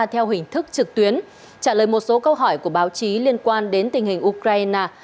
theo hình thức trực tuyến trả lời một số câu hỏi của báo chí liên quan đến tình hình ukraine